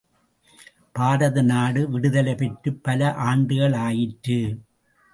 பாரத நாடு விடுதலை பெற்று பல ஆண்டுகளாயிற்று.